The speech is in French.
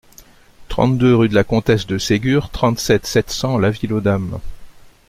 trente-deux rue de la Comtesse de Ségur, trente-sept, sept cents, La Ville-aux-Dames